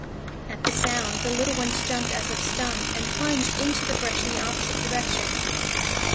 At the sound the little ones jumped as if stung, and plunged into the brush in the opposite direction.